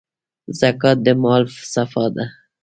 زکات د مال صفا ده.